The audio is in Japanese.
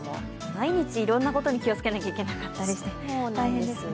毎日いろんなことに気をつけないといけなくて大変ですね。